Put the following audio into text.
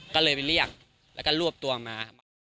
ก็เลยไปเรียกแล้วก็รวบตัวมามา